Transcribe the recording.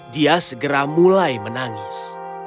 dia mulai menangis